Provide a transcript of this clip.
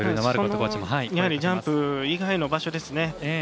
ジャンプ以外の場所ですね。